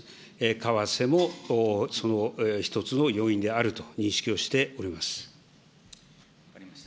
為替もその一つの要因であると認識をしております。